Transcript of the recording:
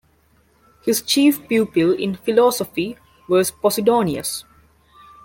His chief pupil in philosophy was Posidonius.